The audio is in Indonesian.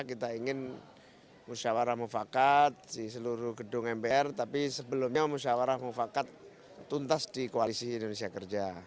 kita ingin musyawarah mufakat di seluruh gedung mpr tapi sebelumnya musyawarah mufakat tuntas di koalisi indonesia kerja